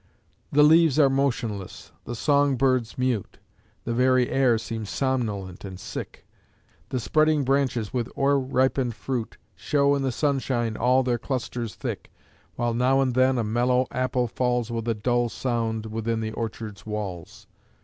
The leaves are motionless the song bird's mute The very air seems somnolent and sick: The spreading branches with o'er ripened fruit Show in the sunshine all their clusters thick, While now and then a mellow apple falls With a dull sound within the orchard's walls.